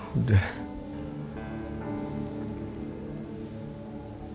aku sudah berusaha untuk mengambil alih